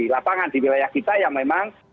lapangan di wilayah kita yang memang